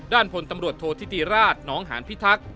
พลตำรวจโทษธิติราชน้องหานพิทักษ์